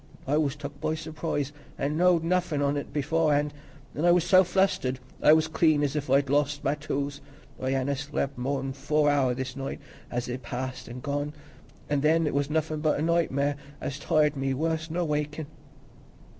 I was took by surprise, an' knowed nothin' on it beforehand, an' I was so flustered, I was clean as if I'd lost my tools. I hanna slep' more nor four hour this night as is past an' gone; an' then it was nothin' but nightmare, as tired me worse nor wakin'."